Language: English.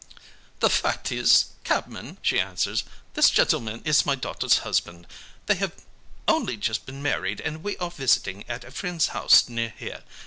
"'The fact is, cabman,' she answers, 'this gentleman is my daughter's husband. They have only just been married, and we are visiting at a friend's house near here.